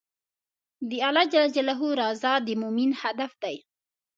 د الله رضا د مؤمن هدف دی.